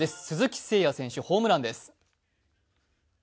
鈴木誠也選手、ホームランです。